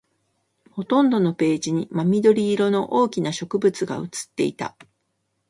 ほとんどのページに真緑色の大きな植物が写っていた